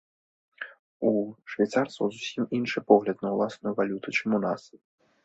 У швейцарцаў зусім іншы погляд на ўласную валюту, чым у нас.